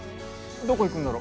どこ行くんだろ？